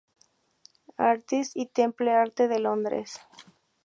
Artists y Temple Arte de Londres.